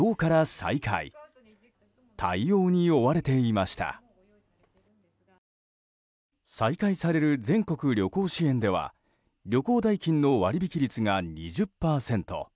再開される全国旅行支援では旅行代金の割引率が２０％。